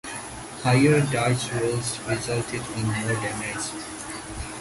Higher dice rolls resulted in more damage.